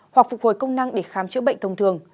hoặc phục hồi công năng để khám chữa bệnh thông thường